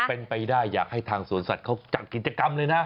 เป็นไปได้อยากให้ทางสวนสัตว์เขาจัดกิจกรรมเลยนะ